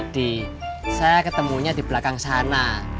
saya ketemunya di belakang sana